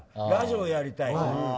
ラジオやりたい。